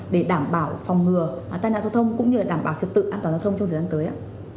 để đảm bảo phòng ngừa tai nạn giao thông cũng như là đảm bảo trật tự an toàn giao thông trong thời gian tới ạ